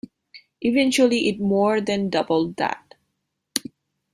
Eventually it more than doubled that.